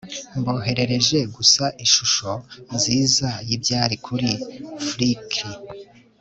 Mboherereje gusa ishusho nziza yibyara kuri Flickr